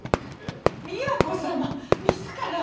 都様自ら？